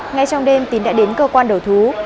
ngay trong đêm tín đã đến cơ quan đầu thú